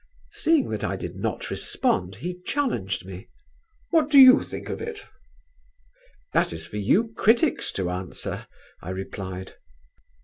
Seeing that I did not respond he challenged me: "What do you think of it?" "That is for you critics to answer," I replied.